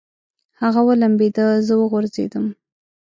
هغه ولمبېده، زه وغورځېدم.